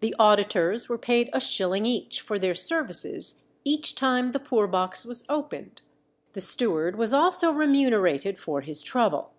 The auditors were paid a shilling each for their services each time the poor box was opened. The steward was also remunerated for his trouble.